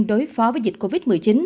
đối phó với dịch covid một mươi chín